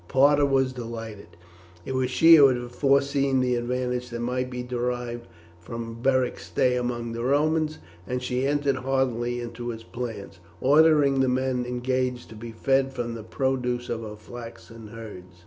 Parta was delighted. It was she who had foreseen the advantages that might be derived from Beric's stay among the Romans, and she entered heartily into his plans, ordering the men engaged to be fed from the produce of her flocks and herds.